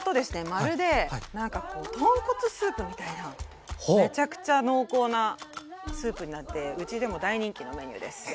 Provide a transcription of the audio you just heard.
まるでなんかこう豚骨スープみたいなめちゃくちゃ濃厚なスープになってうちでも大人気のメニューです。